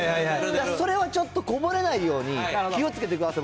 それはちょっとこぼれないように気をつけてください。